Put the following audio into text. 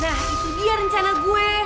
nah itu dia rencana gue